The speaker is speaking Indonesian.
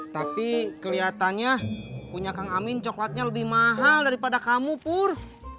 tapi kelihatannya punya kang amin coklatnya lebih mahal daripada kamu pur